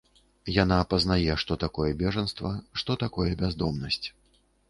Яна пазнае, што такое бежанства, што такое бяздомнасць.